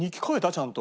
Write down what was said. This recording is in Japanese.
ちゃんと。